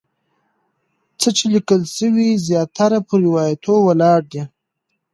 څه چې لیکل شوي زیاتره پر روایاتو ولاړ دي.